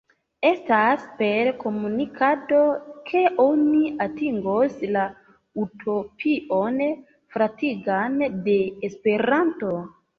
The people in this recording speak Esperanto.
Estas per komunikado, ke oni atingos la utopion fratigan de Esperanto.